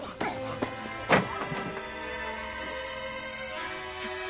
ちょっと。